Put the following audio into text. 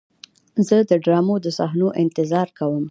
زه د ډرامو د صحنو انتظار کوم.